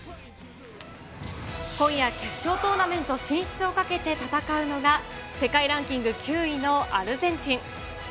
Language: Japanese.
今夜決勝トーナメント進出をかけて戦うのが、世界ランキング９位のアルゼンチン。